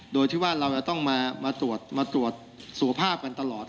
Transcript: โดยที่ว่าเราจะต้องมาตรวจมาตรวจสุขภาพกันตลอด